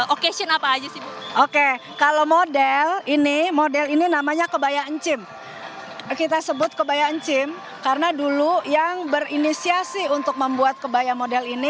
oke sina apa aja sih oke kalau model ini model ini namanya kebaya encim kita sebut kebaya encim